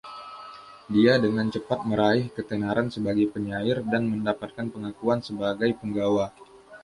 Dia dengan cepat meraih ketenaran sebagai penyair dan mendapatkan pengakuan sebagai punggawa.